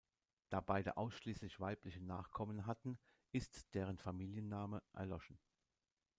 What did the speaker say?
Da beide ausschließlich weibliche Nachkommen hatten, ist deren Familienname erloschen.